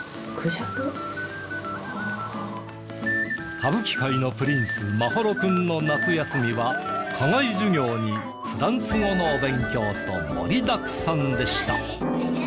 歌舞伎界のプリンス眞秀君の夏休みは課外授業にフランス語のお勉強と盛りだくさんでした。